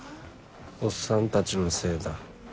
おっさんたちのせいだ。